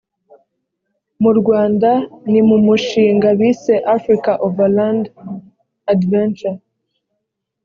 mu rwanda ni mu mushinga bise africa overland adventure